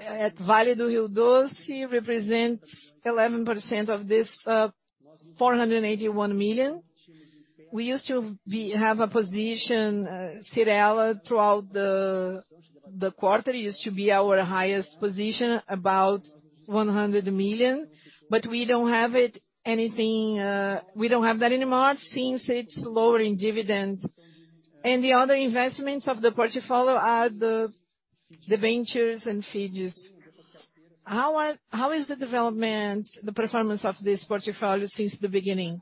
Our position in Vale represents 11% of this 481 million. We used to have a position in Cyrela throughout the quarter, used to be our highest position, about 100 million, but we don't have it anymore since it's lower in dividend. The other investments of the portfolio are the ventures and figures. How is the development, the performance of this portfolio since the beginning?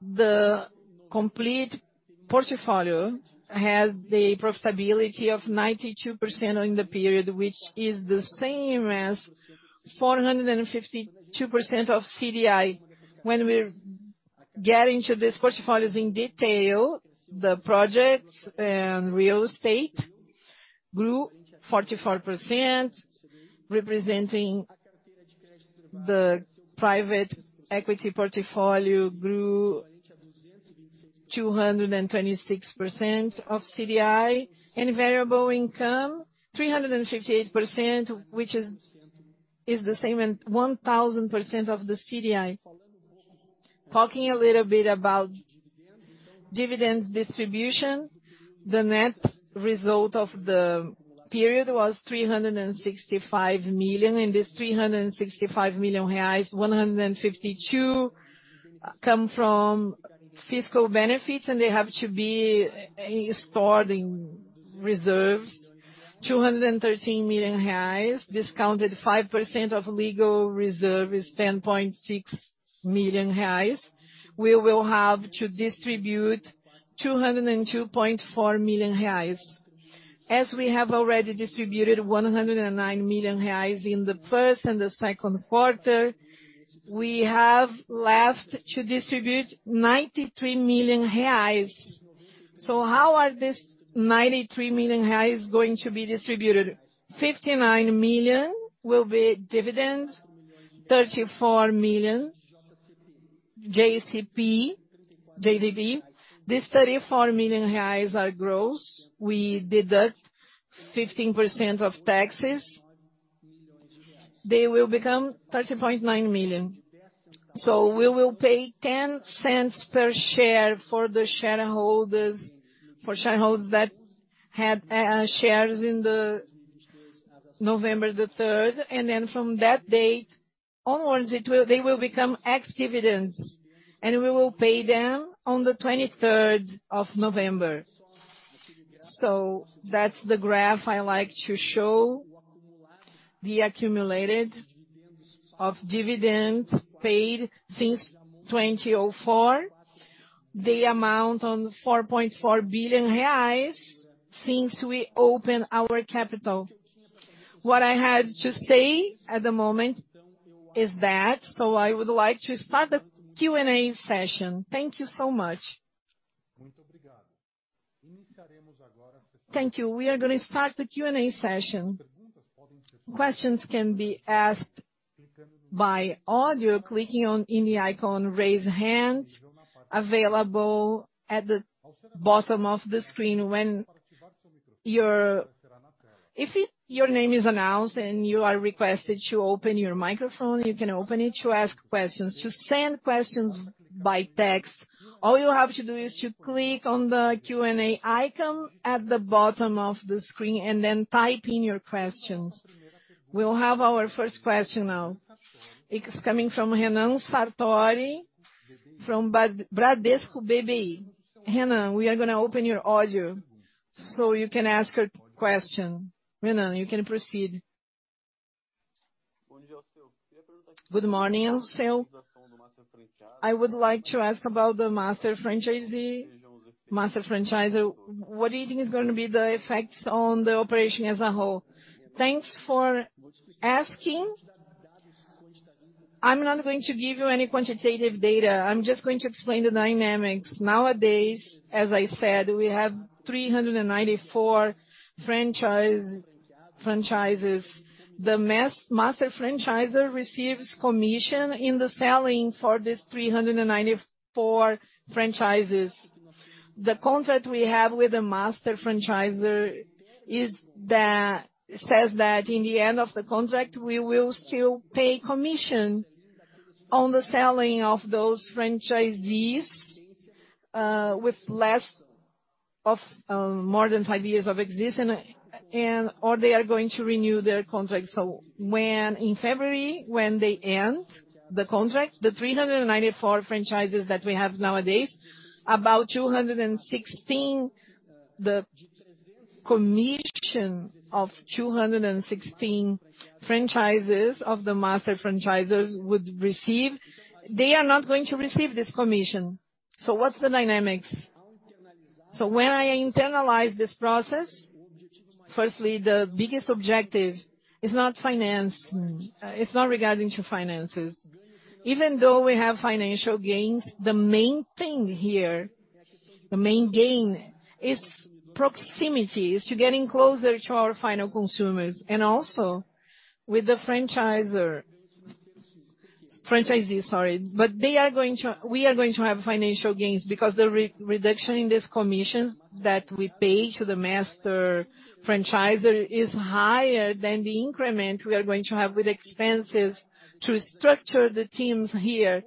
The complete portfolio has the profitability of 92% during the period, which is the same as 452% of CDI. When we're getting to these portfolios in detail, the projects and real estate grew 44%, representing the private equity portfolio grew 226% of CDI. In variable income, 358%, which is the same as 1,000% of the CDI. Talking a little bit about dividend distribution, the net result of the period was 365 million. In this 365 million reais, 152 come from fiscal benefits, and they have to be stored in reserves. 213 million reais, discounted 5% of legal reserve is 10.6 million reais. We will have to distribute 202.4 million reais. As we have already distributed 109 million reais in the Q1 and the Q2, we have left to distribute 93 million reais. How are these 93 million reais going to be distributed? 59 million will be dividend, 34 million JCP, JDB. These 34 million reais are gross. We deduct 15% of taxes. They will become 30.9 million. We will pay 10 cents per share for the shareholders, for shareholders that had shares in November 3rd. Then from that date onwards, they will become ex-dividend, and we will pay them on the 23rd of November. That's the graph I like to show. The accumulated of dividend paid since 2004. The amount on 4.4 billion reais since we opened our capital. What I had to say at the moment is that I would like to start the Q&A session. Thank you so much. Thank you. We are gonna start the Q&A session. Questions can be asked by audio, clicking on the icon raise hand available at the bottom of the screen. If your name is announced and you are requested to open your microphone, you can open it to ask questions. To send questions by text, all you have to do is to click on the Q&A icon at the bottom of the screen and then type in your questions. We'll have our first question now. It's coming from Renan Sartorio from Bradesco BBI. Renan, we are gonna open your audio so you can ask your question. Renan, you can proceed. Good morning, Alceu. I would like to ask about the master franchisor. What do you think is gonna be the effects on the operation as a whole? Thanks for asking. I'm not going to give you any quantitative data. I'm just going to explain the dynamics. Nowadays, as I said, we have 394 franchises. The master franchisor receives commission on the sales for these 394 franchises. The contract we have with the master franchisor says that in the end of the contract, we will still pay commission on the sales of those franchisees with more than five years of existence or they are going to renew their contract. When in February, when they end the contract, the 394 franchises that we have nowadays, about 216, the commission of 216 franchises of the master franchisors would receive, they are not going to receive this commission. What's the dynamics? When I internalize this process, firstly, the biggest objective is not finance. It's not regarding to finances. Even though we have financial gains, the main thing here, the main gain is proximity. It's to getting closer to our final consumers and also with the franchisor. Franchisee, sorry. But we are going to have financial gains because the reduction in these commissions that we pay to the master franchisor is higher than the increment we are going to have with expenses to structure the teams here.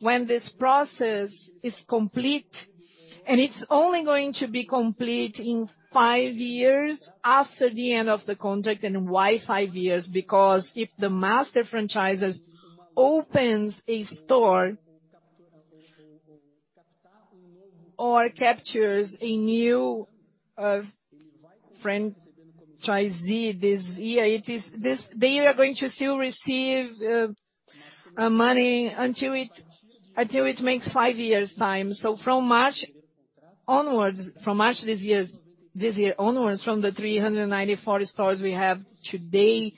When this process is complete, and it's only going to be complete in five years after the end of the contract. Why five years? Because if the master franchisors opens a store or captures a new franchisee this year, they are going to still receive money until it makes five years' time. From March this year onwards, from the 394 stores we have today,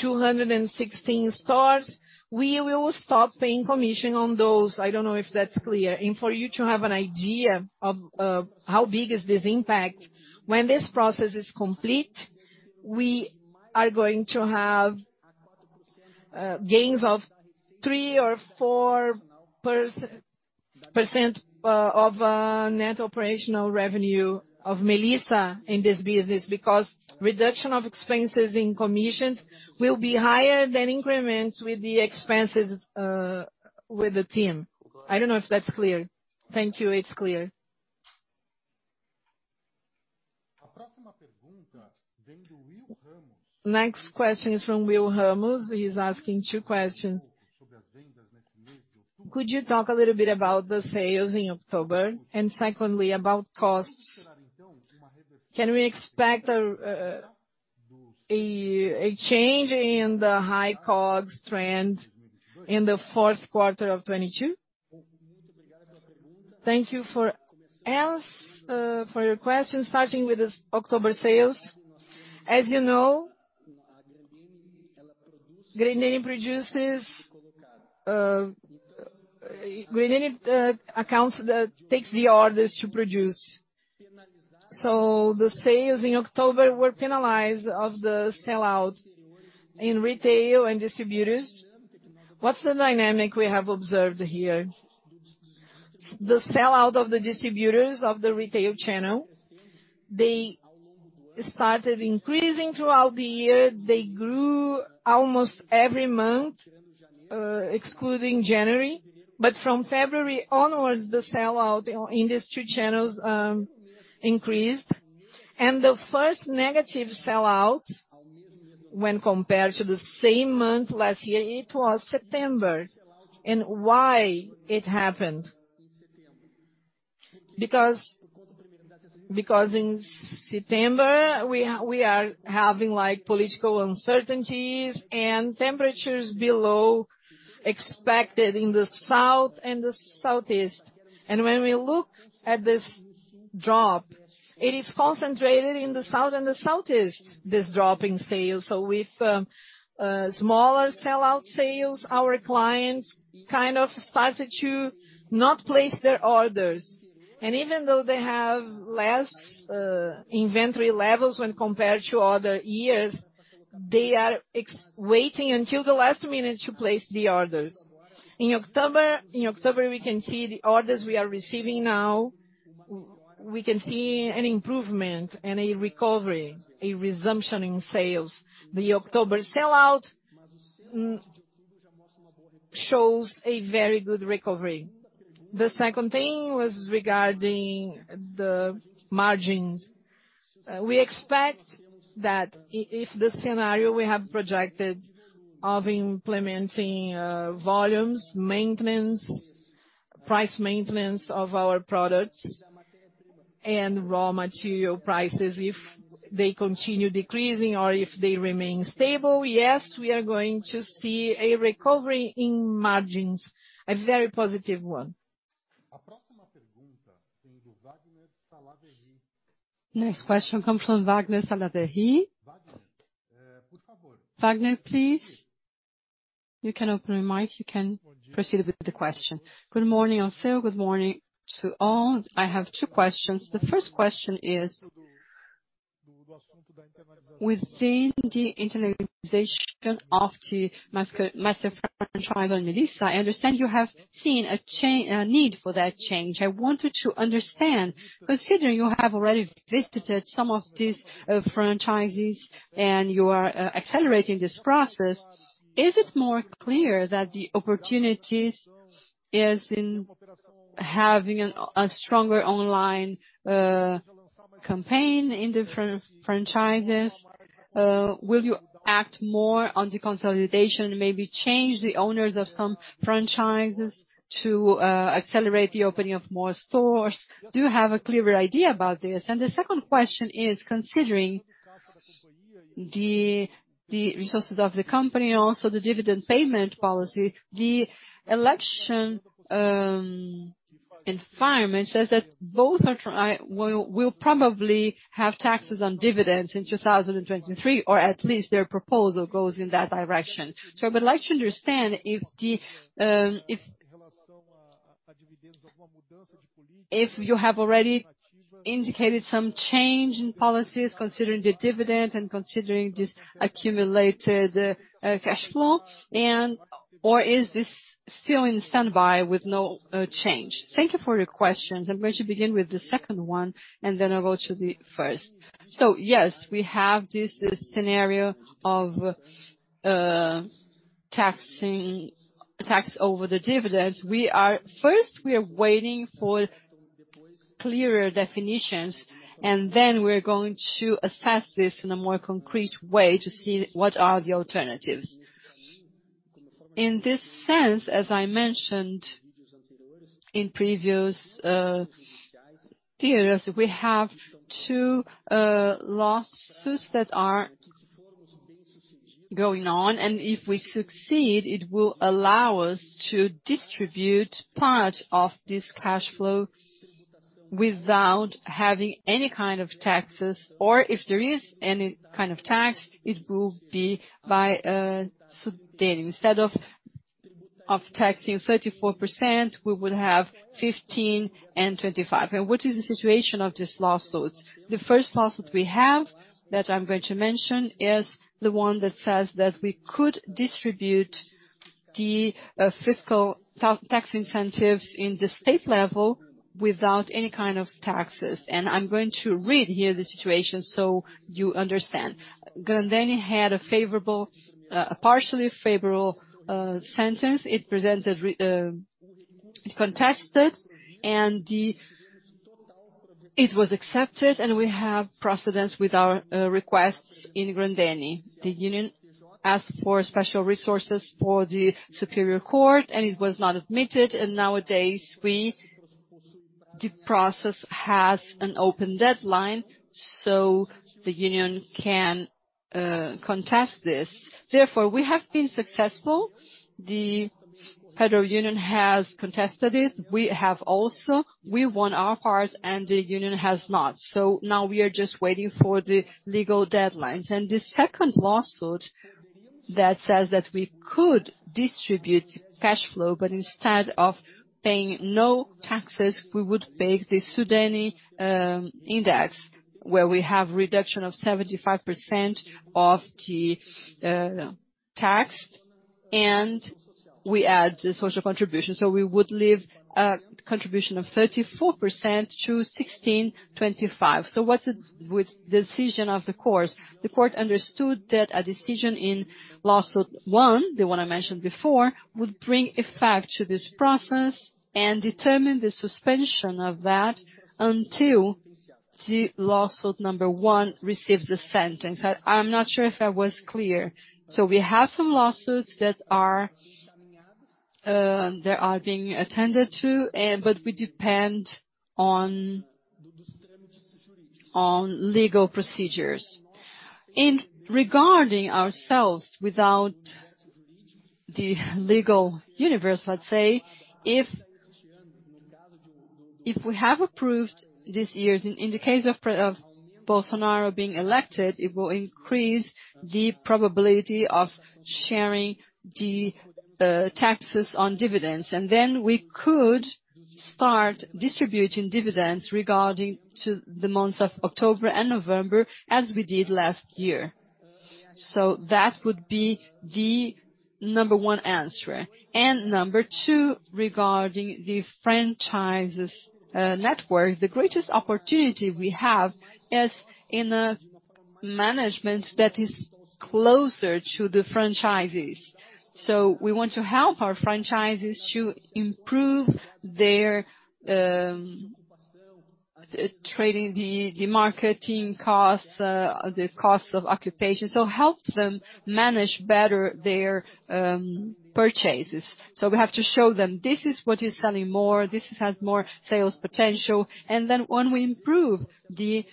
216 stores, we will stop paying commission on those. I don't know if that's clear. For you to have an idea of how big is this impact, when this process is complete, we are going to have gains of 3%-4% of net operational revenue of Melissa in this business because reduction of expenses in commissions will be higher than increments with the expenses with the team. I don't know if that's clear. Thank you. It's clear. Next question is from [Will] Ramos. He is asking two questions. Could you talk a little bit about the sales in October? And secondly, about costs. Can we expect a change in the high COGS trend in the Q4 of 2022? Thank you for your question. Starting with the October sales. As you know, Grendene produces. Grendene takes the orders to produce. So the sales in October were penalized of the sell-out in retail and distributors. What's the dynamic we have observed here? The sell-out of the distributors of the retail channel, they started increasing throughout the year. They grew almost every month, excluding January. From February onwards, the sell-out in these two channels increased. The first negative sell-out when compared to the same month last year, it was September. Why it happened? Because in September we are having like political uncertainties and temperatures below expected in the south and the southeast. When we look at this drop, it is concentrated in the south and the southeast, this drop in sales. With smaller sellout sales, our clients kind of started to not place their orders. Even though they have less inventory levels when compared to other years, they are waiting until the last minute to place the orders. In October we can see the orders we are receiving now. We can see an improvement and a recovery, a resumption in sales. The October sellout shows a very good recovery. The second thing was regarding the margins. We expect that if the scenario we have projected of implementing volumes maintenance, price maintenance of our products and raw material prices, if they continue decreasing or if they remain stable, yes, we are going to see a recovery in margins, a very positive one. Next question comes from Wagner Salaverry. Vagner, please. You can open your mic, you can proceed with the question. Good morning, Alceu. Good morning to all. I have two questions. The first question is within the internalization of the master franchise on Melissa. I understand you have seen a need for that change. I wanted to understand, considering you have already visited some of these franchises and you are accelerating this process, is it more clear that the opportunities is in having a stronger online campaign in the franchises? Will you act more on the consolidation, maybe change the owners of some franchises to accelerate the opening of more stores? Do you have a clearer idea about this? The second question is, considering the resources of the company and also the dividend payment policy, the election environment says that both will probably have taxes on dividends in 2023, or at least their proposal goes in that direction. I would like to understand if you have already indicated some change in policies considering the dividend and considering this accumulated cash flow, or is this still in standby with no change? Thank you for your questions. I'm going to begin with the second one and then I'll go to the first. Yes, we have this scenario of tax over the dividends. First, we are waiting for clearer definitions, and then we're going to assess this in a more concrete way to see what are the alternatives. In this sense, as I mentioned in previous periods, we have two lawsuits that are going on, and if we succeed, it will allow us to distribute part of this cash flow without having any kind of taxes. Or if there is any kind of tax, it will be by SUDENE. Instead of taxing 34%, we would have 15% and 25%. What is the situation of these lawsuits? The first lawsuit we have, that I'm going to mention, is the one that says that we could distribute the fiscal tax incentives at the state level without any kind of taxes. I'm going to read here the situation so you understand. Grendene had a partially favorable sentence. It contested, and it was accepted, and we have precedence with our requests in Grendene. The union asked for special resources for the Superior Court, and it was not admitted. Nowadays, the process has an open deadline, so the union can contest this. Therefore, we have been successful. The federal union has contested it. We have also. We won our part, and the union has not. Now we are just waiting for the legal deadlines. The second lawsuit that says that we could distribute cash flow, but instead of paying no taxes, we would pay the SUDENE index, where we have reduction of 75% of the tax, and we add the social contribution. We would leave a contribution of 34% to 16.25%. What's it with the decision of the courts? The court understood that a decision in lawsuit one, the one I mentioned before, would bring effect to this process and determine the suspension of that until the lawsuit number one receives the sentence. I'm not sure if I was clear. We have some lawsuits that are being attended to, but we depend on legal procedures. Regarding ourselves without the legal universe, let's say, if we have approved these years in the case of Bolsonaro being elected, it will increase the probability of sharing the taxes on dividends. Then we could start distributing dividends regarding to the months of October and November as we did last year. That would be the number one answer. Number two, regarding the franchises network. The greatest opportunity we have is in a management that is closer to the franchisees. We want to help our franchisees to improve their marketing costs, the cost of occupancy. Help them manage better their purchases. We have to show them, "This is what is selling more. This has more sales potential." When we improve the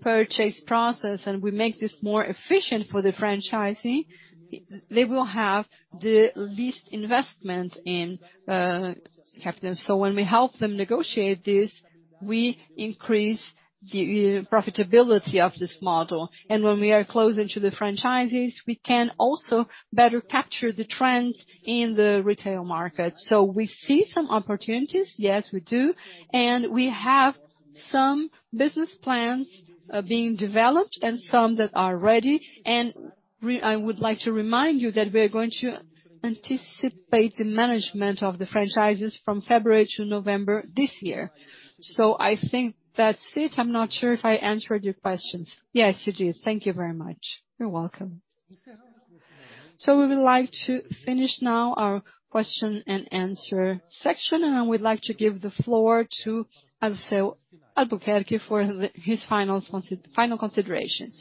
purchase process and we make this more efficient for the franchisee, they will have the least investment in capital. When we help them negotiate this, we increase the profitability of this model. When we are closer to the franchisees, we can also better capture the trends in the retail market. We see some opportunities. Yes, we do. We have some business plans being developed and some that are ready. I would like to remind you that we are going to anticipate the management of the franchisees from February to November this year. I think that's it. I'm not sure if I answered your questions. Yes, you did. Thank you very much. You're welcome. We would like to finish now our Q&A section. I would like to give the floor to Alceu Albuquerque for his final consideration.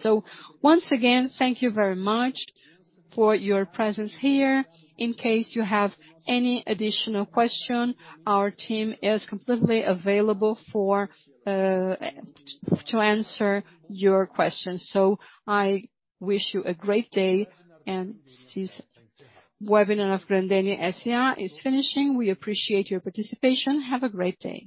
Once again, thank you very much for your presence here. In case you have any additional question, our team is completely available to answer your questions. I wish you a great day. This webinar of Grendene S.A. is finishing. We appreciate your participation. Have a great day.